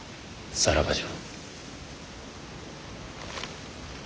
さらばじゃ。